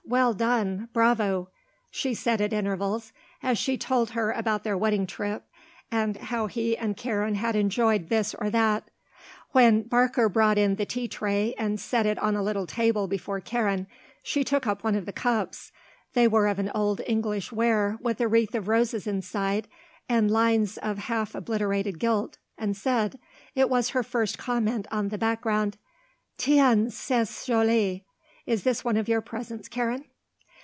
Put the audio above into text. Well done. Bravo," she said at intervals, as he told her about their wedding trip and how he and Karen had enjoyed this or that. When Barker brought in the tea tray and set it on a little table before Karen, she took up one of the cups they were of an old English ware with a wreath of roses inside and lines of half obliterated gilt and said it was her first comment on the background "Tiens, c'est joli. Is this one of your presents, Karen?"